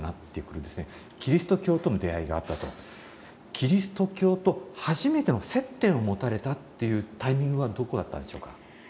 キリスト教と初めての接点を持たれたというタイミングはどこだったんでしょうか？